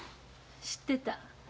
知ってた。